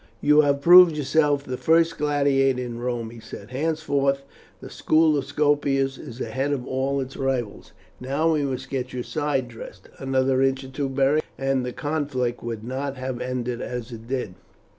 "You have proved yourself the first gladiator in Rome," he said. "Henceforth the school of Scopus is ahead of all its rivals. Now we must get your side dressed. Another inch or two, Beric, and the conflict would not have ended as it did."